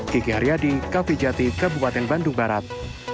kiki haryadi kavijati kabupaten bandung barat